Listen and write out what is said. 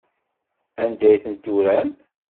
Anda ay tent-turam?